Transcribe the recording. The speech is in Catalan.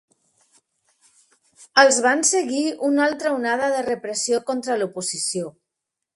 Els van seguir una altra onada de repressió contra l'oposició.